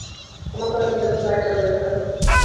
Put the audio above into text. আমার কয়েকদিন যাবত পায়ের তালু ব্যথা করে।